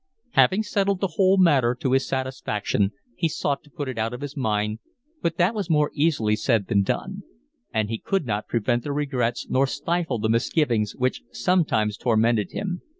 Having settled the whole matter to his satisfaction he sought to put it out of his mind, but that was more easily said than done; and he could not prevent the regrets nor stifle the misgivings which sometimes tormented him.